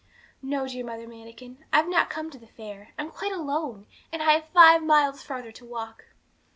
'No, dear Mother Manikin, I've not come to the fair. I'm quite alone, and I have five miles farther to walk.'